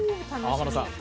天野さん